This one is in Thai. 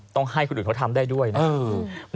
ต้องให้คนอื่นเขาทำได้ด้วยนะครับ